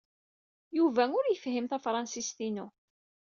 Yuba ur yefhim tafṛensist-inu.